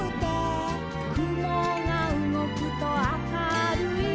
「くもがうごくと明るい」